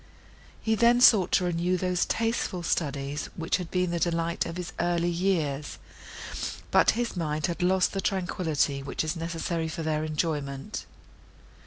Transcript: He then sought to renew those tasteful studies, which had been the delight of his early years; but his mind had lost the tranquillity, which is necessary for their enjoyment.